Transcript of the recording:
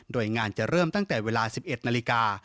โดยงานจะเริ่มตั้งแต่เวลา๑๑นาฬิกา